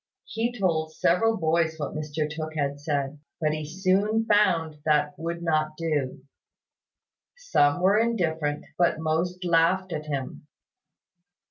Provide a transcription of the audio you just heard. He told several boys what Mr Tooke had said: but he soon found that would not do. Some were indifferent, but most laughed at him.